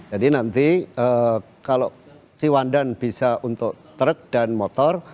jadi nanti kalau cipuandan bisa untuk truk dan motor